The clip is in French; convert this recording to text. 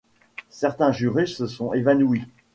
Certains jurés se sont évanouis.